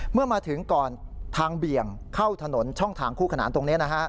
เมื่อมาถึงก่อนทางเบี่ยงเข้าถนนช่องทางคู่ขนานตรงนี้